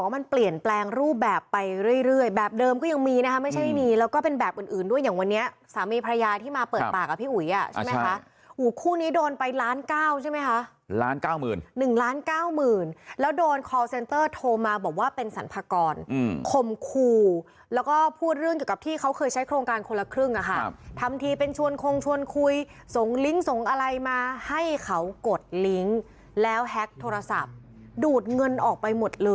มันเปลี่ยนแปลงรูปแบบไปเรื่อยแบบเดิมก็ยังมีนะครับไม่ใช่นี้แล้วก็เป็นแบบอื่นด้วยอย่างวันเนี้ยสามีพระยาที่มาเปิดปากกับพี่อุ๋ยอ่ะใช่ไหมคะอู๋คู่นี้โดนไปล้านเก้าใช่ไหมคะล้านเก้าหมื่นหนึ่งล้านเก้าหมื่นแล้วโดนคอลเซ็นเตอร์โทรมาบอกว่าเป็นสรรพากรอืมคมคูแล้วก็พูดเรื่องเกี่ยวกับที่เขา